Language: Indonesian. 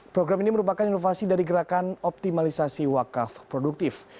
program ini merupakan inovasi dari gerakan optimalisasi wakaf produktif